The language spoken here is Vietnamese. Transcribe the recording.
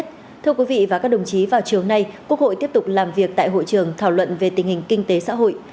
thưa quý vị và các đồng chí vào chiều nay quốc hội tiếp tục làm việc tại hội trường thảo luận về tình hình kinh tế xã hội